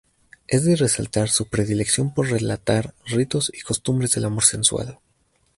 Es de resaltar su predilección por relatar ritos y costumbres del amor sensual.